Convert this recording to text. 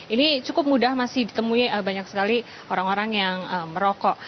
ini cukup mudah masih ditemui banyak sekali orang orang yang merokok